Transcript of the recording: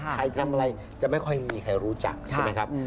ใครทำอะไรจะไม่ค่อยมีใครรู้จักใช่ไหมครับ